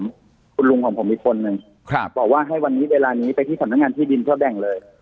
ของคุณลุงของผมอีกคนนึงบอกว่าให้วันนี้เวลานี้ไปที่สำนักงานที่ดินเพื่อแบ่งเลย